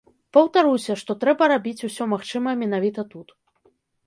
Паўтаруся, што трэба рабіць усё магчымае менавіта тут.